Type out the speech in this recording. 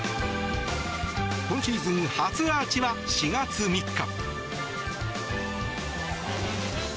今シーズン初アーチは４月３日。